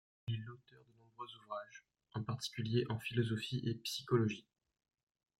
Il est l'auteur de nombreux ouvrages, en particulier en philosophie et psychologie.